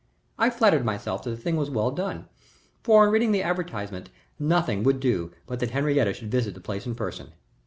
I flattered myself that the thing was well done, for on reading the advertisement nothing would do but that Henriette should visit the place in person.